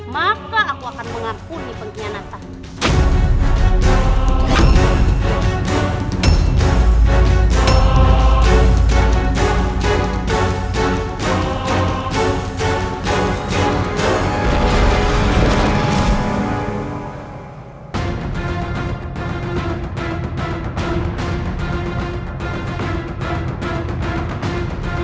maka aku akan mengakuni pengkhianatanku